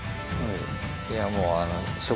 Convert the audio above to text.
いやもう。